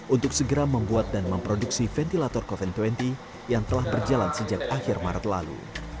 untuk segera membuat dan memproduksi ventilator covid dua puluh yang telah berjalan sejak akhir maret lalu